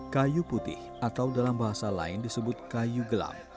kayu putih atau dalam bahasa lain disebut kayu gelam